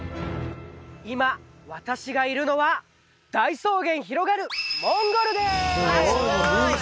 今私がいるのは大草原広がるモンゴルです！